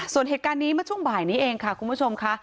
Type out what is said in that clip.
ส่วนเหตุการณ์นี้เมื่อช่วงบ่ายนี้เองค่ะคุณผู้ชมค่ะ